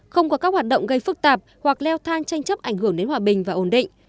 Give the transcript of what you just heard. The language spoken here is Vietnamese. không có các hoạt động gây phức tạp hoặc leo thang tranh chấp ảnh hưởng đến hòa bình và ổn định